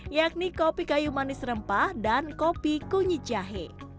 yakni kopi kayu manis rempah dan kopi kunyit jahe